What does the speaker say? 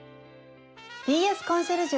「ＢＳコンシェルジュ」。